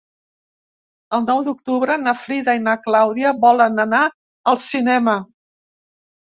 El nou d'octubre na Frida i na Clàudia volen anar al cinema.